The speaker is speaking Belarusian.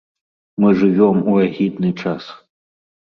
Мы жывём у агідны час.